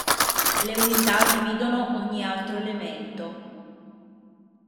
Le unità dividono ogni altro elemento.